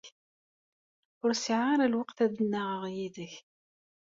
Ur sɛiɣ ara lweqt ad nnaɣeɣ yid-k.